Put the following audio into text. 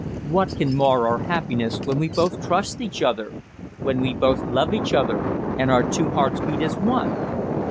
"What can mar our happiness when we both trust each other when we both love each other, and our two hearts beat as one?"